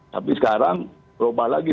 tapi sekarang berubah lagi